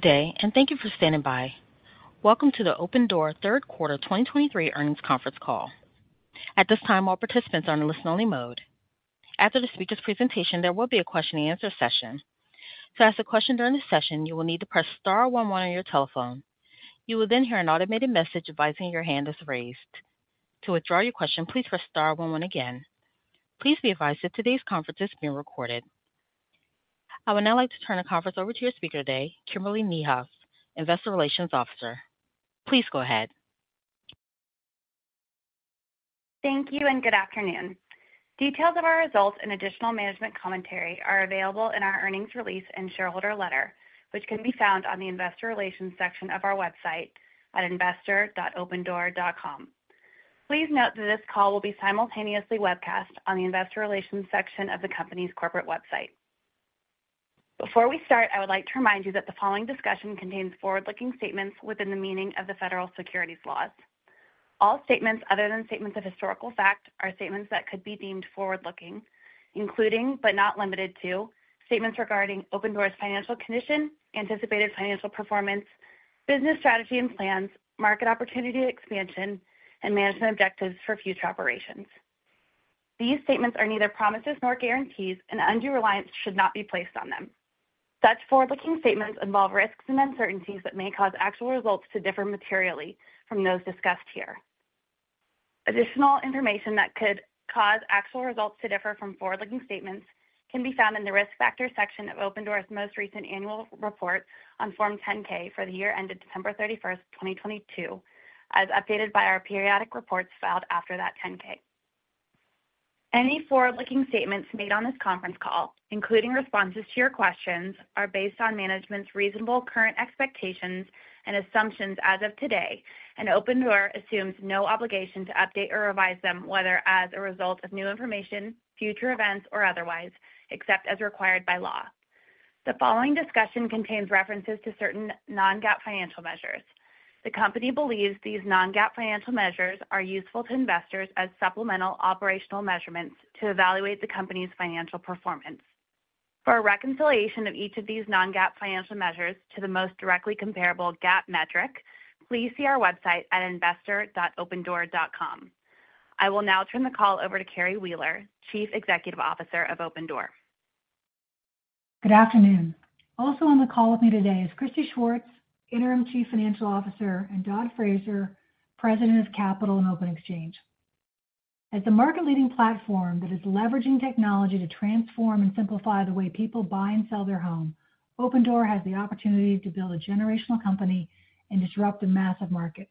Good day, and thank you for standing by. Welcome to the Opendoor Third Quarter 2023 Earnings Conference Call. At this time, all participants are in a listen-only mode. After the speaker's presentation, there will be a question-and-answer session. To ask a question during this session, you will need to press star one one on your telephone. You will then hear an automated message advising your hand is raised. To withdraw your question, please press star one one again. Please be advised that today's conference is being recorded. I would now like to turn the conference over to your speaker today, Kimberly Niehaus, Investor Relations Officer. Please go ahead. Thank you and good afternoon. Details of our results and additional management commentary are available in our earnings release and shareholder letter, which can be found on the Investor Relations section of our website at investor.opendoor.com. Please note that this call will be simultaneously webcast on the Investor Relations section of the company's corporate website. Before we start, I would like to remind you that the following discussion contains forward-looking statements within the meaning of the federal securities laws. All statements other than statements of historical fact are statements that could be deemed forward-looking, including, but not limited to, statements regarding Opendoor's financial condition, anticipated financial performance, business strategy and plans, market opportunity expansion, and management objectives for future operations. These statements are neither promises nor guarantees, and undue reliance should not be placed on them. Such forward-looking statements involve risks and uncertainties that may cause actual results to differ materially from those discussed here. Additional information that could cause actual results to differ from forward-looking statements can be found in the Risk Factors section of Opendoor's most recent annual report on Form 10-K for the year ended December 31, 2022, as updated by our periodic reports filed after that 10-K. Any forward-looking statements made on this conference call, including responses to your questions, are based on management's reasonable current expectations and assumptions as of today, and Opendoor assumes no obligation to update or revise them, whether as a result of new information, future events, or otherwise, except as required by law. The following discussion contains references to certain non-GAAP financial measures. The company believes these non-GAAP financial measures are useful to investors as supplemental operational measurements to evaluate the company's financial performance. For a reconciliation of each of these non-GAAP financial measures to the most directly comparable GAAP metric, please see our website at investor.opendoor.com. I will now turn the call over to Carrie Wheeler, Chief Executive Officer of Opendoor. Good afternoon. Also on the call with me today is Christy Schwartz, Interim Chief Financial Officer, and Dod Fraser, President of Open Exchange and Capital. As a market-leading platform that is leveraging technology to transform and simplify the way people buy and sell their home, Opendoor has the opportunity to build a generational company and disrupt a massive market.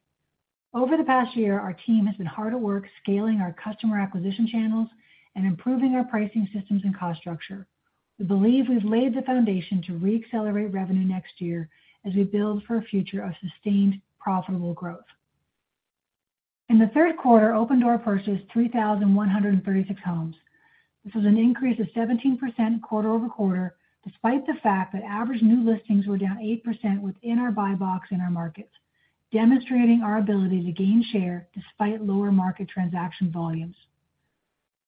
Over the past year, our team has been hard at work scaling our customer acquisition channels and improving our pricing systems and cost structure. We believe we've laid the foundation to re-accelerate revenue next year as we build for a future of sustained, profitable growth. In the third quarter, Opendoor purchased 3,136 homes. This is an increase of 17% quarter-over-quarter, despite the fact that average new listings were down 8% within our Buy Box in our markets, demonstrating our ability to gain share despite lower market transaction volumes.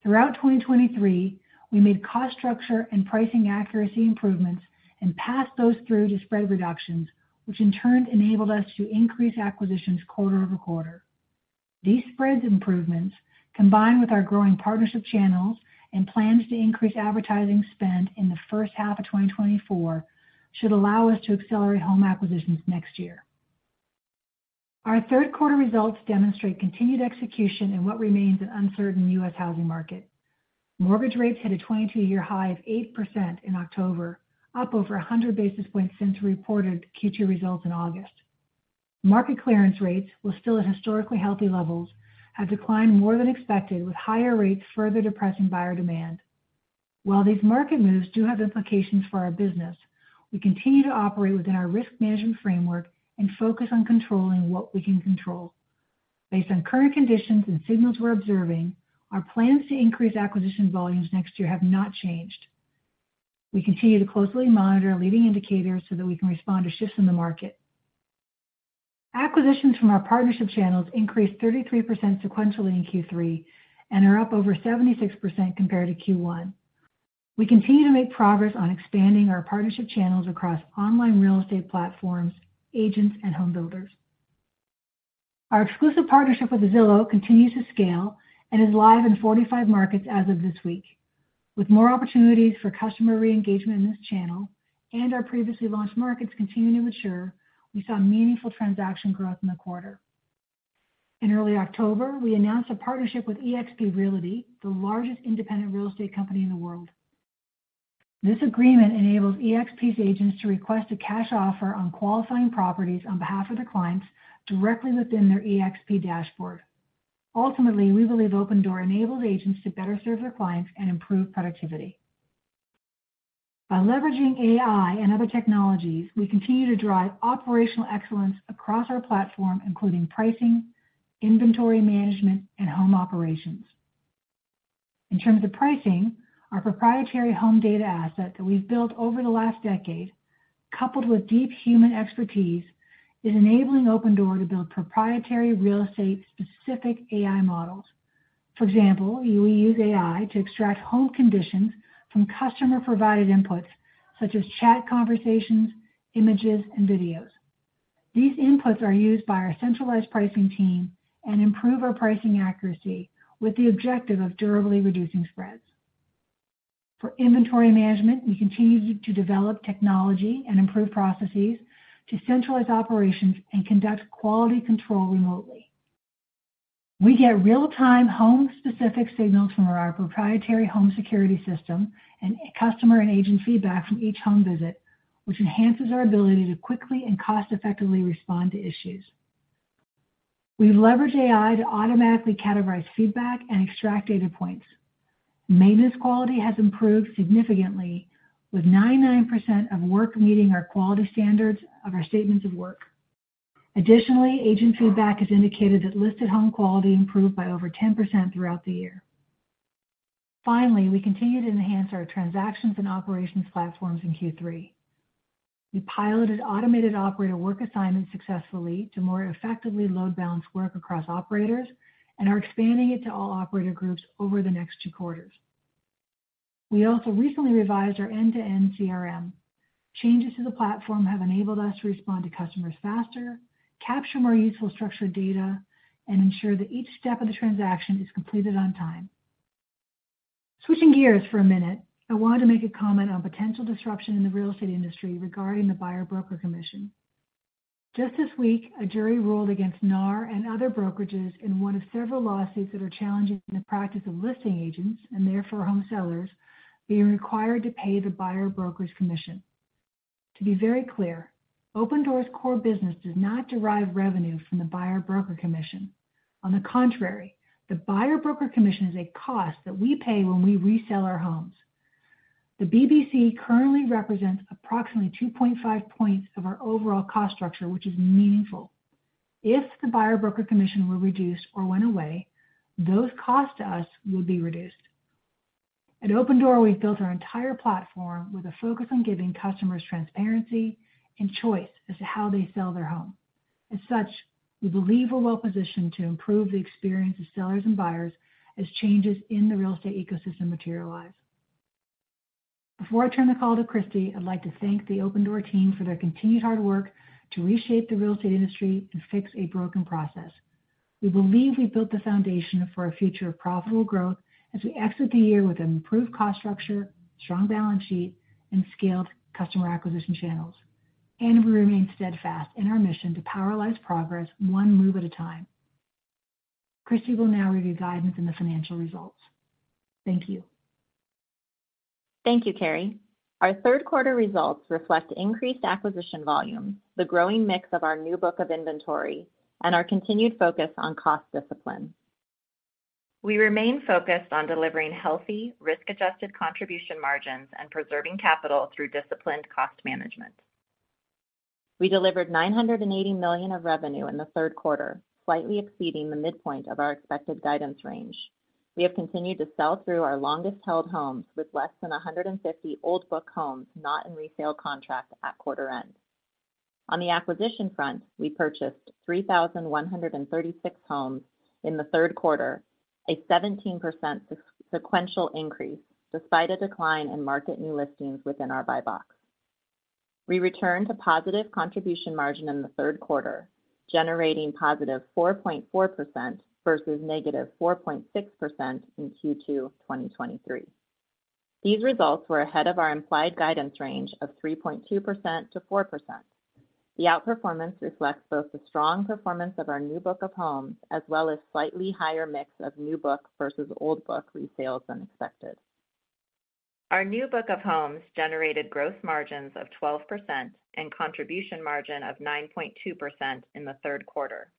Throughout 2023, we made cost structure and pricing accuracy improvements and passed those through to spread reductions, which in turn enabled us to increase acquisitions quarter-over-quarter. These spread improvements, combined with our growing partnership channels and plans to increase advertising spend in the first half of 2024, should allow us to accelerate home acquisitions next year. Our third quarter results demonstrate continued execution in what remains an uncertain U.S. housing market. Mortgage rates hit a 22-year high of 8% in October, up over 100 basis points since we reported Q2 results in August. Market clearance rates were still at historically healthy levels, have declined more than expected, with higher rates further depressing buyer demand. While these market moves do have implications for our business, we continue to operate within our risk management framework and focus on controlling what we can control. Based on current conditions and signals we're observing, our plans to increase acquisition volumes next year have not changed. We continue to closely monitor leading indicators so that we can respond to shifts in the market. Acquisitions from our partnership channels increased 33% sequentially in Q3 and are up over 76% compared to Q1. We continue to make progress on expanding our partnership channels across online real estate platforms, agents, and home builders. Our exclusive partnership with Zillow continues to scale and is live in 45 markets as of this week. With more opportunities for customer re-engagement in this channel and our previously launched markets continuing to mature, we saw meaningful transaction growth in the quarter. In early October, we announced a partnership with eXp Realty, the largest independent real estate company in the world. This agreement enables eXp's agents to request a cash offer on qualifying properties on behalf of their clients directly within their eXp dashboard. Ultimately, we believe Opendoor enables agents to better serve their clients and improve productivity. By leveraging AI and other technologies, we continue to drive operational excellence across our platform, including pricing, inventory management, and home operations. In terms of pricing, our proprietary home data asset that we've built over the last decade, coupled with deep human expertise, is enabling Opendoor to build proprietary real estate-specific AI models.... For example, we use AI to extract home conditions from customer-provided inputs, such as chat conversations, images, and videos. These inputs are used by our centralized pricing team and improve our pricing accuracy, with the objective of durably reducing spreads. For inventory management, we continue to develop technology and improve processes to centralize operations and conduct quality control remotely. We get real-time, home-specific signals from our proprietary home security system and customer and agent feedback from each home visit, which enhances our ability to quickly and cost-effectively respond to issues. We've leveraged AI to automatically categorize feedback and extract data points. Maintenance quality has improved significantly, with 99% of work meeting our quality standards of our statements of work. Additionally, agent feedback has indicated that listed home quality improved by over 10% throughout the year. Finally, we continued to enhance our transactions and operations platforms in Q3. We piloted automated operator work assignments successfully to more effectively load balance work across operators and are expanding it to all operator groups over the next two quarters. We also recently revised our end-to-end CRM. Changes to the platform have enabled us to respond to customers faster, capture more useful structured data, and ensure that each step of the transaction is completed on time. Switching gears for a minute, I wanted to make a comment on potential disruption in the real estate industry regarding the buyer broker commission. Just this week, a jury ruled against NAR and other brokerages in one of several lawsuits that are challenging the practice of listing agents, and therefore home sellers, being required to pay the buyer broker's commission. To be very clear, Opendoor's core business does not derive revenue from the buyer broker commission. On the contrary, the buyer broker commission is a cost that we pay when we resell our homes. The BBC currently represents approximately 2.5 points of our overall cost structure, which is meaningful. If the buyer broker commission were reduced or went away, those costs to us would be reduced. At Opendoor, we've built our entire platform with a focus on giving customers transparency and choice as to how they sell their home. As such, we believe we're well positioned to improve the experience of sellers and buyers as changes in the real estate ecosystem materialize. Before I turn the call to Christy, I'd like to thank the Opendoor team for their continued hard work to reshape the real estate industry and fix a broken process. We believe we built the foundation for a future of profitable growth as we exit the year with an improved cost structure, strong balance sheet, and scaled customer acquisition channels. We remain steadfast in our mission to power life's progress, one move at a time. Christy will now review guidance and the financial results. Thank you. Thank you, Carrie. Our third quarter results reflect increased acquisition volume, the growing mix of our new book of inventory, and our continued focus on cost discipline. We remain focused on delivering healthy, risk-adjusted contribution margins and preserving capital through disciplined cost management. We delivered $980 million of revenue in the third quarter, slightly exceeding the midpoint of our expected guidance range. We have continued to sell through our longest-held homes, with less than 150 old book homes, not in resale contract at quarter end. On the acquisition front, we purchased 3,116 homes in the third quarter, a 17% sequential increase, despite a decline in market new listings within our Buy Box. We returned to positive contribution margin in the third quarter, generating positive 4.4% versus negative 4.6% in Q2 of 2023. These results were ahead of our implied guidance range of 3.2%-4%. The outperformance reflects both the strong performance of our new book of homes, as well as slightly higher mix of new book versus old book resales than expected. Our new book of homes generated gross margins of 12% and contribution margin of 9.2% in the third quarter.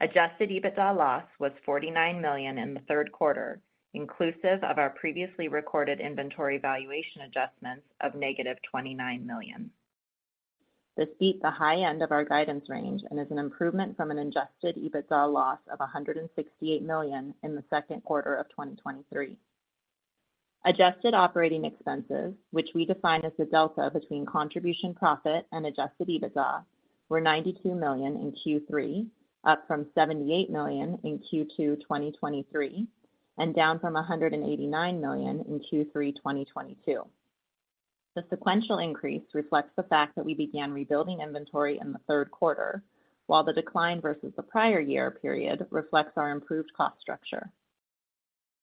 Adjusted EBITDA loss was $49 million in the third quarter, inclusive of our previously recorded inventory valuation adjustments of -$29 million. This beat the high end of our guidance range and is an improvement from an adjusted EBITDA loss of $168 million in the second quarter of 2023. Adjusted Operating Expenses, which we define as the delta between Contribution Profit and Adjusted EBITDA, were $92 million in Q3, up from $78 million in Q2 2023, and down from $189 million in Q3 2022. The sequential increase reflects the fact that we began rebuilding inventory in the third quarter, while the decline versus the prior year period reflects our improved cost structure.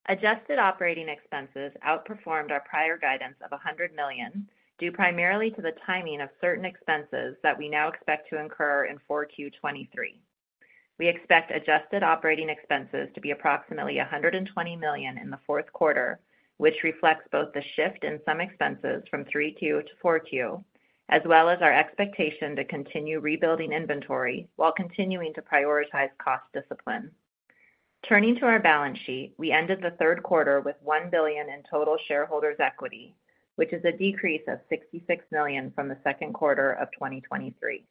Adjusted Operating Expenses outperformed our prior guidance of $100 million, due primarily to the timing of certain expenses that we now expect to incur in Q4 2023. We expect Adjusted Operating Expenses to be approximately $120 million in the fourth quarter, which reflects both the shift in some expenses from Q3 to Q4, as well as our expectation to continue rebuilding inventory while continuing to prioritize cost discipline. Turning to our balance sheet, we ended the third quarter with $1 billion in total shareholders' equity, which is a decrease of $66 million from the second quarter of 2023.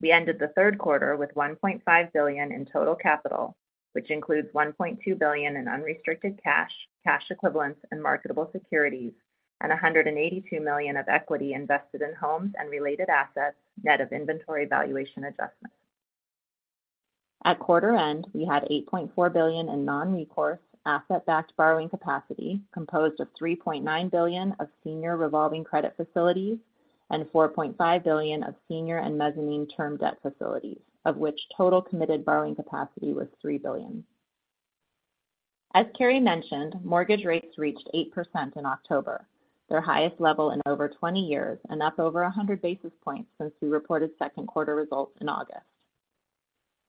We ended the third quarter with $1.5 billion in total capital, which includes $1.2 billion in unrestricted cash, cash equivalents, and marketable securities,... and $182 million of equity invested in homes and related assets, net of inventory valuation adjustments. At quarter end, we had $8.4 billion in non-recourse asset-backed borrowing capacity, composed of $3.9 billion of senior revolving credit facilities and $4.5 billion of senior and mezzanine term debt facilities, of which total committed borrowing capacity was $3 billion. As Carrie mentioned, mortgage rates reached 8% in October, their highest level in over 20 years, and up over 100 basis points since we reported second quarter results in August.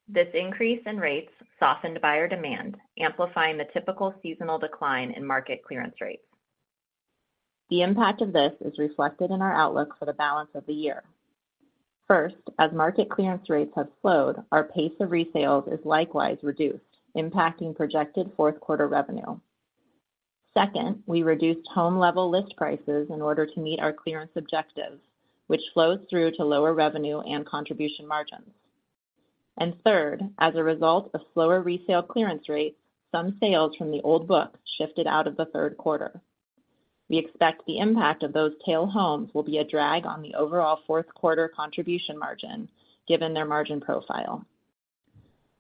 This increase in rates softened buyer demand, amplifying the typical seasonal decline in market clearance rates. The impact of this is reflected in our outlook for the balance of the year. First, as market clearance rates have slowed, our pace of resales is likewise reduced, impacting projected fourth quarter revenue. Second, we reduced home-level list prices in order to meet our clearance objectives, which flows through to lower revenue and contribution margins. And third, as a result of slower resale clearance rates, some sales from the old book shifted out of the third quarter. We expect the impact of those tail homes will be a drag on the overall fourth quarter contribution margin, given their margin profile.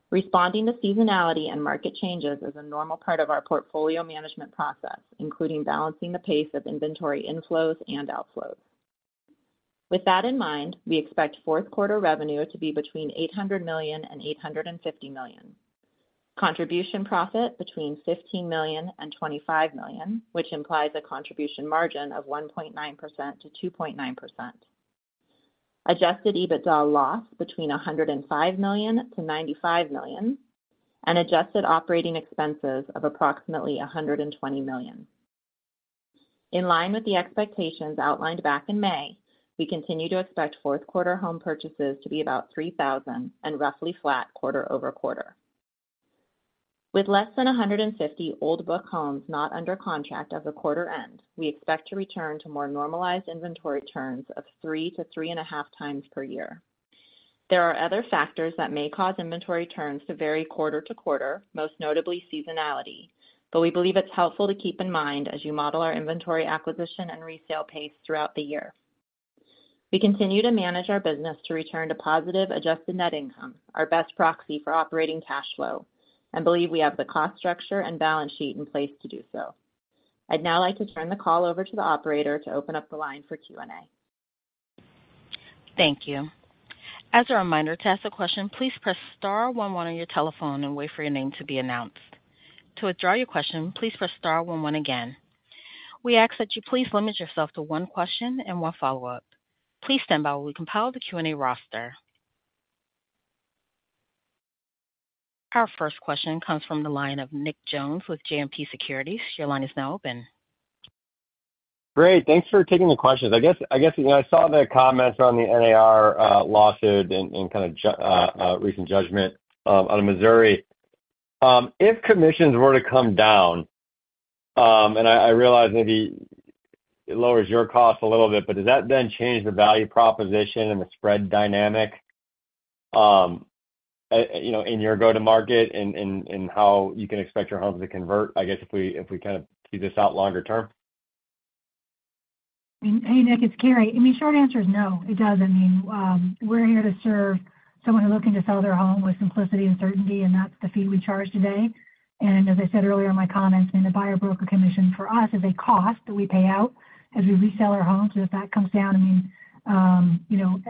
Responding to seasonality and market changes is a normal part of our portfolio management process, including balancing the pace of inventory inflows and outflows. With that in mind, we expect fourth quarter revenue to be between $800 million and $850 million. Contribution profit between $15 million and $25 million, which implies a contribution margin of 1.9%-2.9%. Adjusted EBITDA loss between $105 million-$95 million, and adjusted operating expenses of approximately $120 million. In line with the expectations outlined back in May, we continue to expect fourth quarter home purchases to be about 3,000 and roughly flat quarter-over-quarter. With less than 150 old book homes not under contract as of quarter end, we expect to return to more normalized inventory turns of 3-3.5 times per year. There are other factors that may cause inventory turns to vary quarter to quarter, most notably seasonality, but we believe it's helpful to keep in mind as you model our inventory acquisition and resale pace throughout the year. We continue to manage our business to return to positive adjusted net income, our best proxy for operating cash flow, and believe we have the cost structure and balance sheet in place to do so. I'd now like to turn the call over to the operator to open up the line for Q&A. Thank you. As a reminder, to ask a question, please press star one one on your telephone and wait for your name to be announced. To withdraw your question, please press star one one again. We ask that you please limit yourself to one question and one follow-up. Please stand by while we compile the Q&A roster. Our first question comes from the line of Nick Jones with JMP Securities. Your line is now open. Great. Thanks for taking the questions. I guess I saw the comments on the NAR lawsuit and kind of recent judgment out of Missouri. If commissions were to come down and I realize maybe it lowers your cost a little bit, but does that then change the value proposition and the spread dynamic, you know, in your go-to-market and how you can expect your homes to convert, I guess, if we kind of see this out longer term? Hey, Nick, it's Carrie. I mean, short answer is no, it doesn't mean we're here to serve someone looking to sell their home with simplicity and certainty, and that's the fee we charge today. And as I said earlier in my comments, in the Buyer Broker Commission for us is a cost that we pay out as we resell our homes. So if that comes down, I mean, you know,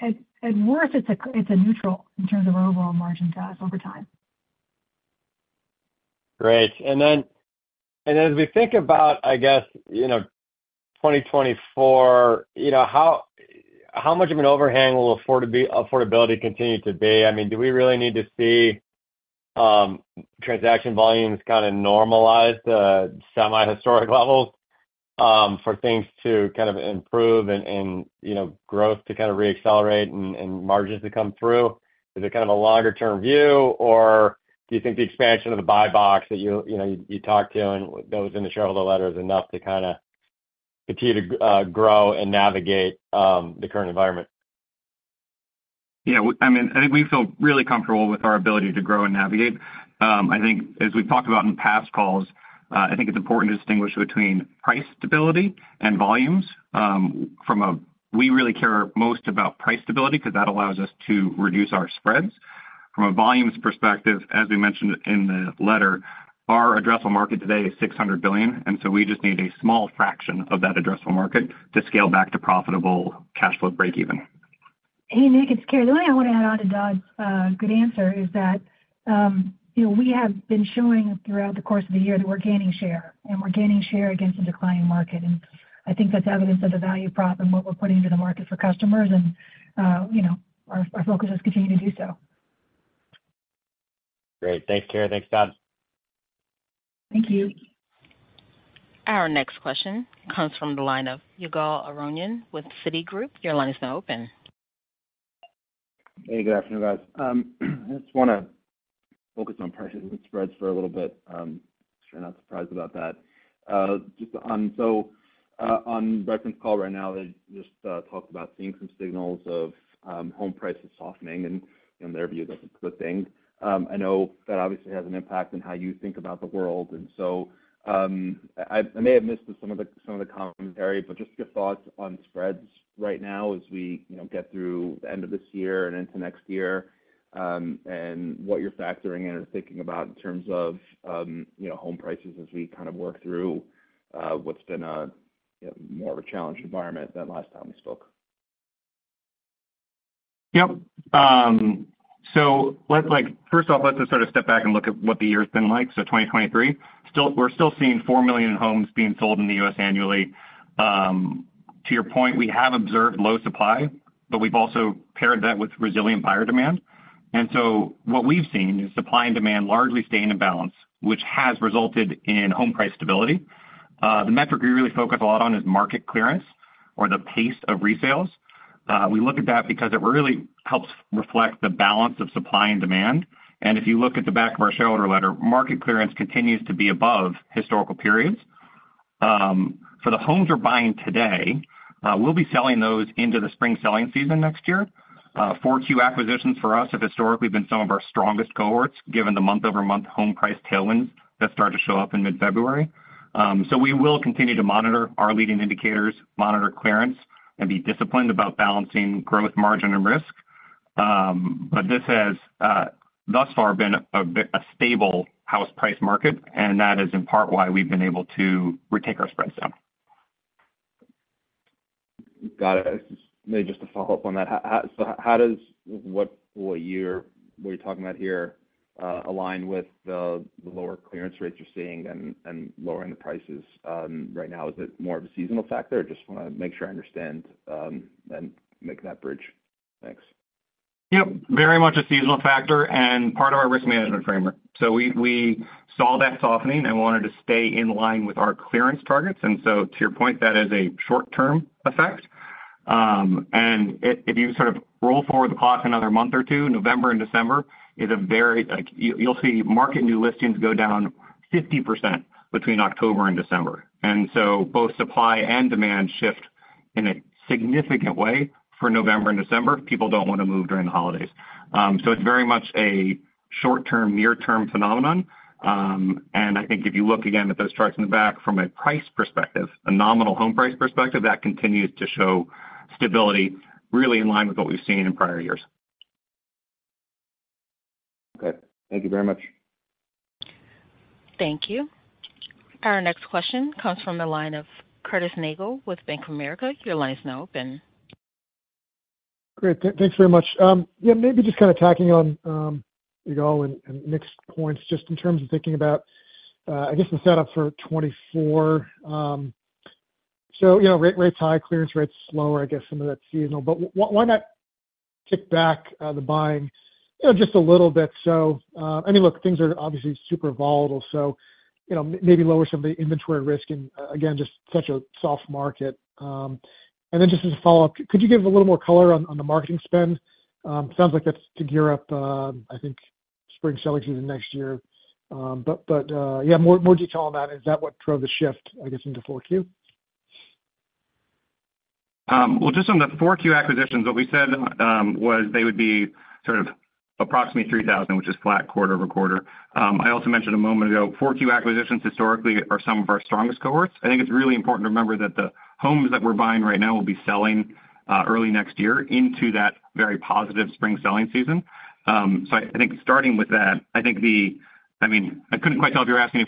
at worst, it's a neutral in terms of our overall margin to us over time. Great. And then, as we think about, I guess, you know, 2024, you know, how much of an overhang will affordability continue to be? I mean, do we really need to see transaction volumes kind of normalize to semi-historic levels for things to kind of improve and, you know, growth to kind of re-accelerate and margins to come through? Is it kind of a longer-term view, or do you think the expansion of the Buy Box that you, you know, you talked to and that was in the shareholder letter is enough to kind of continue to grow and navigate the current environment? Yeah, I mean, I think we feel really comfortable with our ability to grow and navigate. I think as we've talked about in past calls, I think it's important to distinguish between price stability and volumes. From a -- we really care most about price stability because that allows us to reduce our spreads. From a volumes perspective, as we mentioned in the letter, our addressable market today is $600 billion, and so we just need a small fraction of that addressable market to scale back to profitable cash flow break even. Hey, Nick, it's Carrie. The only thing I want to add on to Dod's good answer is that, you know, we have been showing throughout the course of the year that we're gaining share, and we're gaining share against a declining market. And I think that's evidence of the value prop and what we're putting into the market for customers, and, you know, our focus is continuing to do so. Great. Thanks, Carrie. Thanks, Dod. Thank you. Our next question comes from the line of Ygal Arounian with Citigroup. Your line is now open. Hey, good afternoon, guys. I just wanna-... Focus on price spreads for a little bit. Sure you're not surprised about that. Just on, so, on Redfin's call right now, they just talked about seeing some signals of home prices softening, and in their view, that's a good thing. I know that obviously has an impact on how you think about the world. And so, I may have missed some of the commentary, but just your thoughts on spreads right now as we, you know, get through the end of this year and into next year, and what you're factoring in or thinking about in terms of, you know, home prices as we kind of work through what's been a, you know, more of a challenged environment than last time we spoke. Yep. So let's, like, first off, let's just sort of step back and look at what the year's been like. So 2023, still—we're still seeing 4 million homes being sold in the U.S. annually. To your point, we have observed low supply, but we've also paired that with resilient buyer demand. And so what we've seen is supply and demand largely stay in a balance, which has resulted in home price stability. The metric we really focus a lot on is market clearance or the pace of resales. We look at that because it really helps reflect the balance of supply and demand. And if you look at the back of our shareholder letter, market clearance continues to be above historical periods. For the homes we're buying today, we'll be selling those into the spring selling season next year. 4Q acquisitions for us have historically been some of our strongest cohorts, given the month-over-month home price tailwinds that start to show up in mid-February. So we will continue to monitor our leading indicators, monitor clearance, and be disciplined about balancing growth, margin, and risk. But this has thus far been a stable house price market, and that is in part why we've been able to retake our spreads down. Got it. Maybe just to follow up on that. How does what year were you talking about here align with the lower clearance rates you're seeing and lowering the prices right now? Is it more of a seasonal factor? I just wanna make sure I understand and make that bridge. Thanks. Yep, very much a seasonal factor and part of our risk management framework. So we saw that softening and wanted to stay in line with our clearance targets. And so to your point, that is a short-term effect. And if you sort of roll forward the clock another month or two, November and December is a very, like you'll see market new listings go down 50% between October and December. And so both supply and demand shift in a significant way for November and December. People don't want to move during the holidays. So it's very much a short-term, near-term phenomenon. And I think if you look again at those charts in the back from a price perspective, a nominal home price perspective, that continues to show stability really in line with what we've seen in prior years. Okay. Thank you very much. Thank you. Our next question comes from the line of Curtis Nagle with Bank of America. Your line is now open. Great, thanks very much. Yeah, maybe just kind of tacking on, you know, and Nick's points, just in terms of thinking about, I guess, the setup for 2024. So, you know, rates high, clearance rates slower, I guess some of that's seasonal. But why not kick back the buying, you know, just a little bit? So, I mean, look, things are obviously super volatile, so, you know, maybe lower some of the inventory risk, and again, just such a soft market. And then just as a follow-up, could you give a little more color on the marketing spend? Sounds like that's to gear up, I think, spring selling season next year. But yeah, more detail on that. Is that what drove the shift, I guess, into Q4? Well, just on the 4Q acquisitions, what we said was they would be sort of approximately 3,000, which is flat quarter-over-quarter. I also mentioned a moment ago, 4Q acquisitions historically are some of our strongest cohorts. I think it's really important to remember that the homes that we're buying right now will be selling early next year into that very positive spring selling season. So, I think starting with that, I mean, I couldn't quite tell if you're asking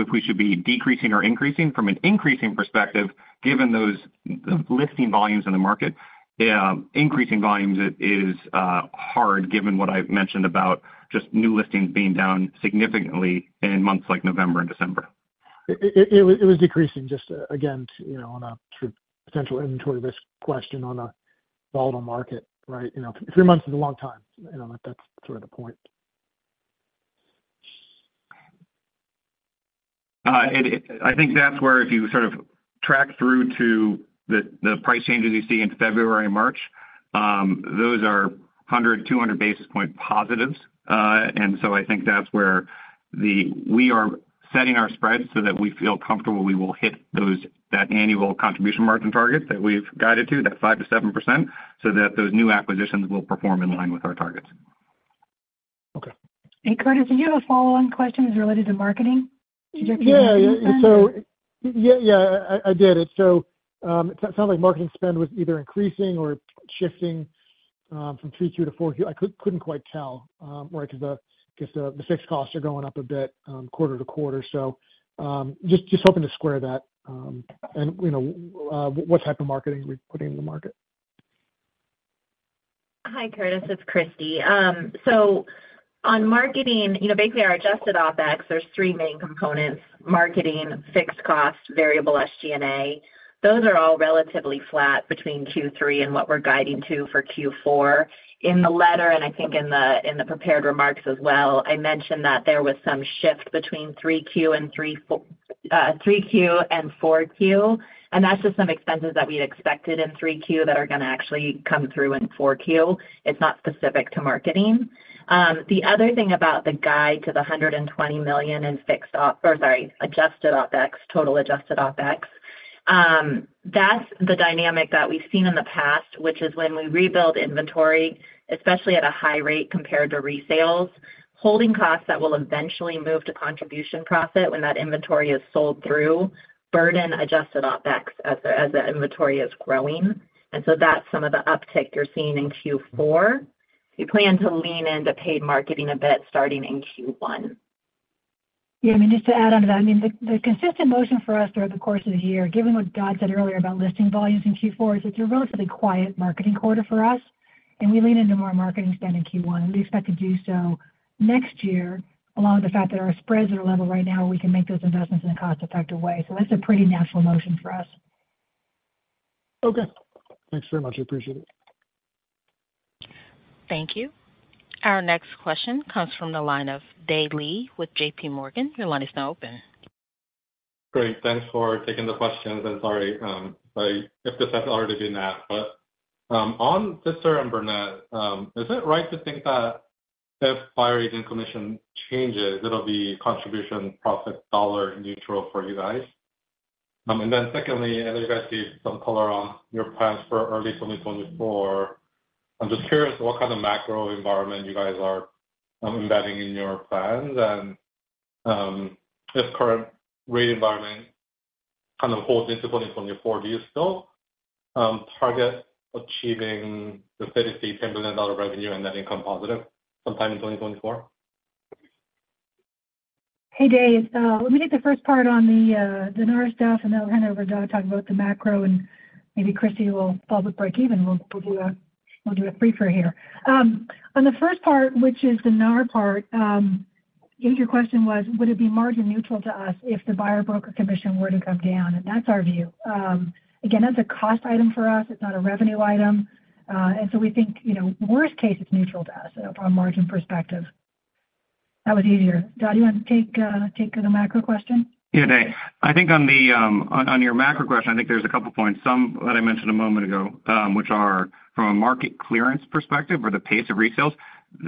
if we should be decreasing or increasing. From an increasing perspective, given those listing volumes in the market, increasing volumes is hard, given what I've mentioned about just new listings being down significantly in months like November and December. It was decreasing, just again, you know, on a potential inventory risk question on a volatile market, right? You know, three months is a long time. You know, that's sort of the point. I think that's where if you sort of track through to the price changes you see in February and March, those are 100-200 basis point positives. And so I think that's where we are setting our spreads so that we feel comfortable we will hit those, that annual contribution margin targets that we've guided to, that 5%-7%, so that those new acquisitions will perform in line with our targets. Okay. Curtis, do you have a follow-on question related to marketing? Yeah, yeah. So yeah, yeah, I did. So it sounds like marketing spend was either increasing or shifting from 3Q to 4Q. I couldn't quite tell, right? Because the fixed costs are going up a bit quarter to quarter. So just hoping to square that, and you know what type of marketing are we putting in the market? Hi, Curtis, it's Christy. So on marketing, you know, basically our adjusted OpEx, there's three main components: marketing, fixed cost, variable SG&A. Those are all relatively flat between Q3 and what we're guiding to for Q4. In the letter, and I think in the prepared remarks as well, I mentioned that there was some shift between 3Q and 4Q, and that's just some expenses that we'd expected in 3Q that are gonna actually come through in 4Q. It's not specific to marketing. The other thing about the guide to the $120 million in fixed OpEx, or sorry, adjusted OpEx, total adjusted OpEx-... That's the dynamic that we've seen in the past, which is when we rebuild inventory, especially at a high rate compared to resales, holding costs that will eventually move to Contribution Profit when that inventory is sold through burden-adjusted OpEx as the inventory is growing. And so that's some of the uptick you're seeing in Q4. We plan to lean into paid marketing a bit starting in Q1. Yeah, I mean, just to add onto that, I mean, the consistent motion for us throughout the course of the year, given what Dod said earlier about listing volumes in Q4, is it's a relatively quiet marketing quarter for us, and we lean into more marketing spend in Q1, and we expect to do so next year, along with the fact that our spreads are level right now, we can make those investments in a cost-effective way. So that's a pretty natural motion for us. Okay. Thanks very much. I appreciate it. Thank you. Our next question comes from the line of Dae Lee with JPMorgan. Your line is now open. Great, thanks for taking the questions, and sorry, if this has already been asked, but, on Sitzer and Burnett, is it right to think that if buyer agent commission changes, it'll be contribution profit dollar neutral for you guys? And then secondly, I know you guys gave some color on your plans for early 2024. I'm just curious what kind of macro environment you guys are embedding in your plans and, if current rate environment kind of holds into 2024 view still target achieving the $3.8 billion-$10 billion revenue and net income positive sometime in 2024? Hey, Dave. Let me take the first part on the, the NAR stuff, and then I'll hand over to Dod to talk about the macro, and maybe Christy will follow with breakeven. We'll, we'll do a, we'll do a briefer here. On the first part, which is the NAR part, I think your question was, would it be margin neutral to us if the buyer broker commission were to come down? And that's our view. Again, that's a cost item for us. It's not a revenue item. And so we think, you know, worst case, it's neutral to us from a margin perspective. That was easier. Dod, do you want to take, take the macro question? Yeah, Dave. I think on the, on, on your macro question, I think there's a couple points. Some that I mentioned a moment ago, which are from a market clearance perspective or the pace of resales,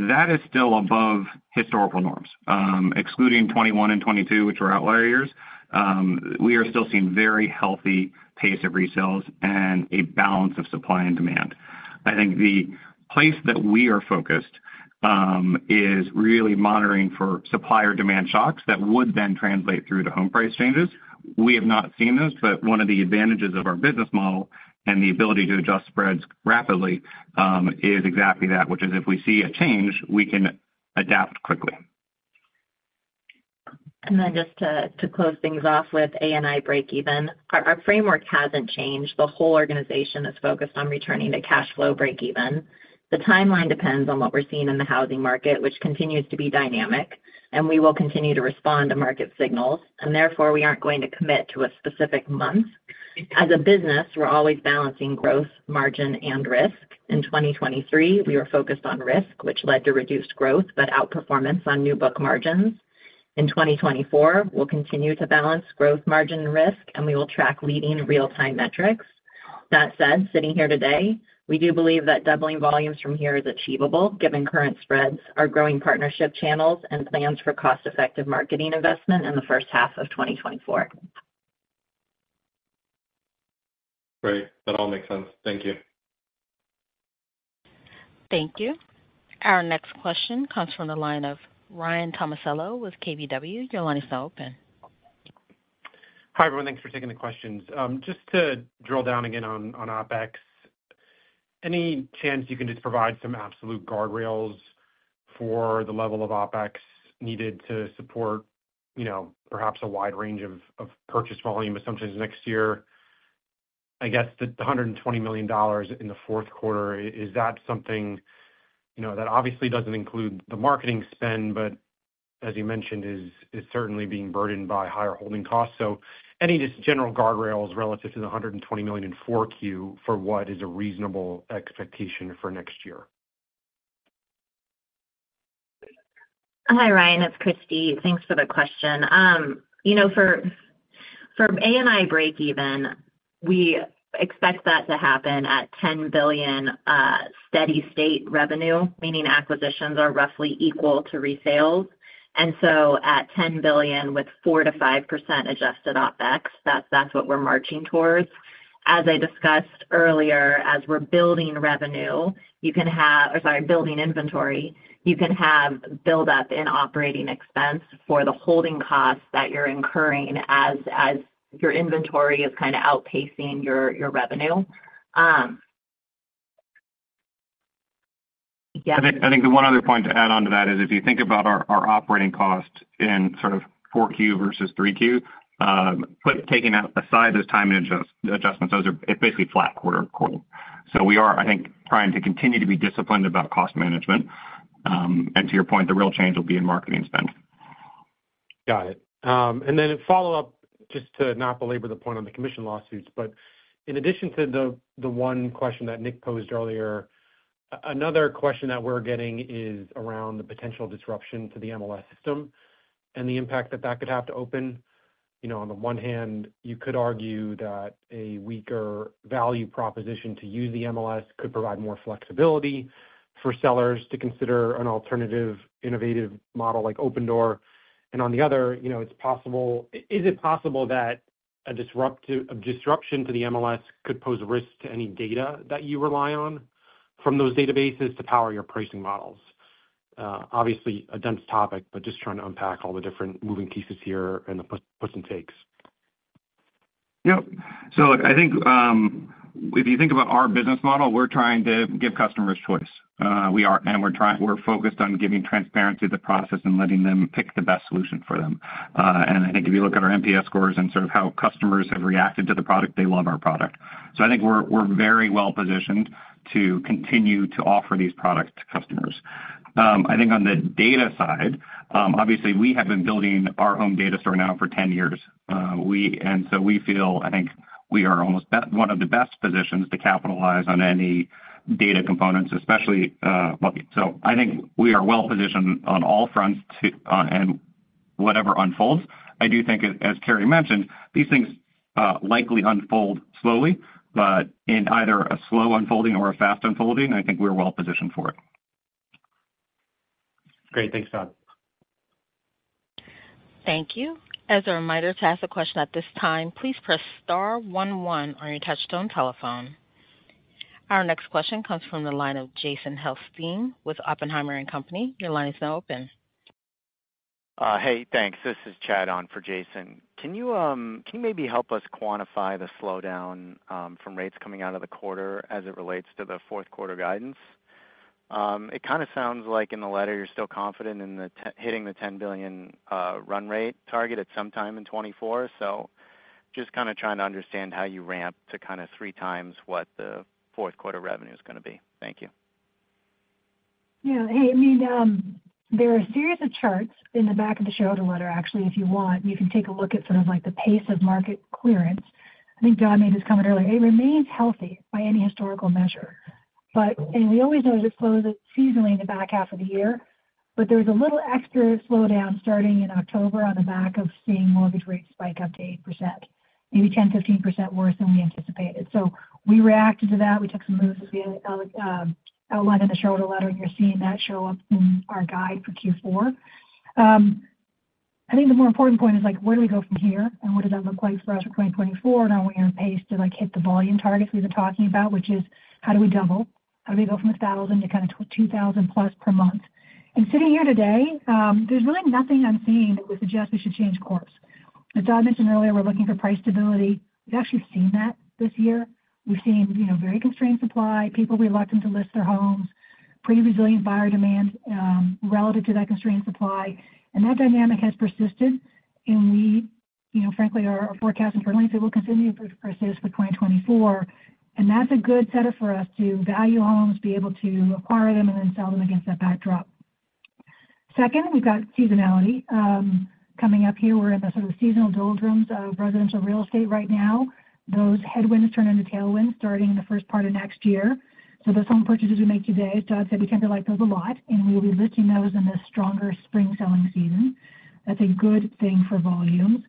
that is still above historical norms. Excluding 2021 and 2022, which were outlier years, we are still seeing very healthy pace of resales and a balance of supply and demand. I think the place that we are focused is really monitoring for supplier demand shocks that would then translate through to home price changes. We have not seen those, but one of the advantages of our business model and the ability to adjust spreads rapidly is exactly that, which is if we see a change, we can adapt quickly. And then just to close things off with ANI breakeven, our framework hasn't changed. The whole organization is focused on returning to cash flow breakeven. The timeline depends on what we're seeing in the housing market, which continues to be dynamic, and we will continue to respond to market signals, and therefore, we aren't going to commit to a specific month. As a business, we're always balancing growth, margin, and risk. In 2023, we are focused on risk, which led to reduced growth, but outperformance on new book margins. In 2024, we'll continue to balance growth, margin, and risk, and we will track leading real-time metrics. That said, sitting here today, we do believe that doubling volumes from here is achievable given current spreads, our growing partnership channels, and plans for cost-effective marketing investment in the first half of 2024. Great. That all makes sense. Thank you. Thank you. Our next question comes from the line of Ryan Tomasello with KBW. Your line is now open. Hi, everyone. Thanks for taking the questions. Just to drill down again on OpEx, any chance you can just provide some absolute guardrails for the level of OpEx needed to support, you know, perhaps a wide range of purchase volume assumptions next year? I guess the $120 million in the fourth quarter, is that something, you know, that obviously doesn't include the marketing spend, but as you mentioned, is certainly being burdened by higher holding costs. So any just general guardrails relative to the $120 million in 4Q for what is a reasonable expectation for next year? Hi, Ryan, it's Christy. Thanks for the question. You know, for ANI breakeven, we expect that to happen at $10 billion steady state revenue, meaning acquisitions are roughly equal to resales. And so at $10 billion, with 4%-5% adjusted OpEx, that's what we're marching towards. As I discussed earlier, as we're building inventory, you can have buildup in operating expense for the holding costs that you're incurring as your inventory is kind of outpacing your revenue. I think the one other point to add on to that is if you think about our operating costs in sort of 4Q versus 3Q, putting aside those time adjustments, it's basically flat quarter-over-quarter. So we are, I think, trying to continue to be disciplined about cost management. And to your point, the real change will be in marketing spend. Got it. And then a follow-up, just to not belabor the point on the commission lawsuits, but in addition to the one question that Nick posed earlier, another question that we're getting is around the potential disruption to the MLS system and the impact that that could have to Opendoor. You know, on the one hand, you could argue that a weaker value proposition to use the MLS could provide more flexibility for sellers to consider an alternative, innovative model like Opendoor. And on the other, you know, it's possible that a disruption to the MLS could pose a risk to any data that you rely on from those databases to power your pricing models. Obviously a dense topic, but just trying to unpack all the different moving pieces here and the gives and takes. Yep. So I think, if you think about our business model, we're trying to give customers choice. We are and we're trying we're focused on giving transparency to the process and letting them pick the best solution for them. And I think if you look at our NPS scores and sort of how customers have reacted to the product, they love our product. So I think we're, we're very well-positioned to continue to offer these products to customers. I think on the data side, obviously we have been building our own data store now for 10 years. We and so we feel, I think, we are almost one of the best positions to capitalize on any data components, especially. So I think we are well positioned on all fronts to, and whatever unfolds. I do think, as Carrie mentioned, these things likely unfold slowly. But in either a slow unfolding or a fast unfolding, I think we're well positioned for it. Great. Thanks, Dod. Thank you. As a reminder, to ask a question at this time, please press star one one on your touchtone telephone. Our next question comes from the line of Jason Helfstein with Oppenheimer and Company. Your line is now open. Hey, thanks. This is Chad on for Jason. Can you, can you maybe help us quantify the slowdown, from rates coming out of the quarter as it relates to the fourth quarter guidance? It kind of sounds like in the letter, you're still confident in the hitting the $10 billion run rate target at some time in 2024. So just kinda trying to understand how you ramp to kind of three times what the fourth quarter revenue is gonna be. Thank you. Yeah. Hey, I mean, there are a series of charts in the back of the shareholder letter. Actually, if you want, you can take a look at sort of like the pace of market clearance. I think Dod made this comment earlier. It remains healthy by any historical measure, but- and we always know it slows it seasonally in the back half of the year, but there's a little extra slowdown starting in October on the back of seeing mortgage rates spike up to 8%, maybe 10%-15% worse than we anticipated. So we reacted to that. We took some moves, as we outlined in the shareholder letter, and you're seeing that show up in our guide for Q4. I think the more important point is, like, where do we go from here? And what does that look like for us in 2024? Are we on pace to, like, hit the volume targets we've been talking about, which is how do we double? How do we go from 1,000 to kind of 2,000 plus per month? Sitting here today, there's really nothing I'm seeing that would suggest we should change course. As Dod mentioned earlier, we're looking for price stability. We've actually seen that this year. We've seen, you know, very constrained supply, people reluctant to list their homes, pretty resilient buyer demand, relative to that constrained supply. And that dynamic has persisted. And we, you know, frankly, are forecasting it will continue to persist for 2024, and that's a good setup for us to value homes, be able to acquire them and then sell them against that backdrop. Second, we've got seasonality coming up here. We're in the sort of seasonal doldrums of residential real estate right now. Those headwinds turn into tailwinds starting in the first part of next year. So those home purchases we make today, so I'd say we tend to like those a lot, and we will be listing those in the stronger spring selling season. That's a good thing for volumes.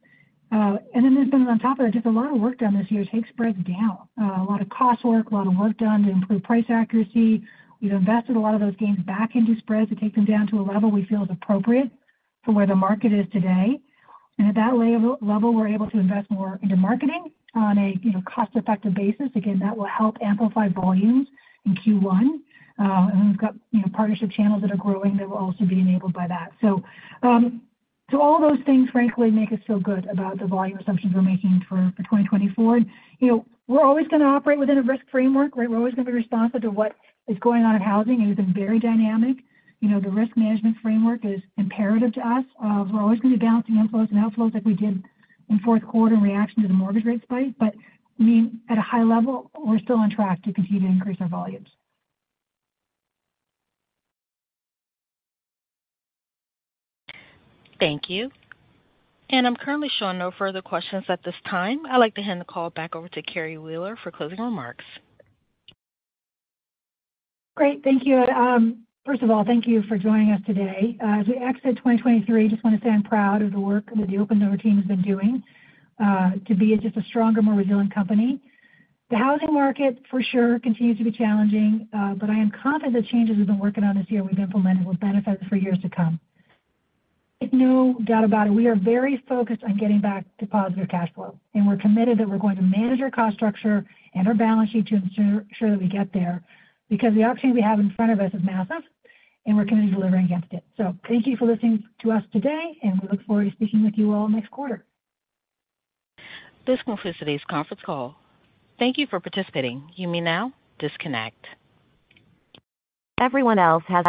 And then there's been, on top of that, just a lot of work done this year to take spreads down. A lot of cost work, a lot of work done to improve price accuracy. We've invested a lot of those gains back into spreads to take them down to a level we feel is appropriate for where the market is today. And at that level, we're able to invest more into marketing on a, you know, cost-effective basis. Again, that will help amplify volumes in Q1. And we've got, you know, partnership channels that are growing that will also be enabled by that. So, so all those things, frankly, make us feel good about the volume assumptions we're making for 2024. You know, we're always gonna operate within a risk framework, right? We're always gonna be responsive to what is going on in housing, and it's been very dynamic. You know, the risk management framework is imperative to us. We're always gonna be balancing inflows and outflows like we did in fourth quarter in reaction to the mortgage rate spike. But, I mean, at a high level, we're still on track to continue to increase our volumes. Thank you. I'm currently showing no further questions at this time. I'd like to hand the call back over to Carrie Wheeler for closing remarks. Great. Thank you. First of all, thank you for joining us today. As we exit 2023, I just want to say I'm proud of the work that the Opendoor team has been doing, to be just a stronger, more resilient company. The housing market, for sure, continues to be challenging, but I am confident the changes we've been working on this year we've implemented will benefit for years to come. Make no doubt about it, we are very focused on getting back to positive cash flow, and we're committed that we're going to manage our cost structure and our balance sheet to ensure that we get there, because the opportunity we have in front of us is massive, and we're committed to delivering against it. Thank you for listening to us today, and we look forward to speaking with you all next quarter. This concludes today's conference call. Thank you for participating. You may now disconnect. Everyone else has-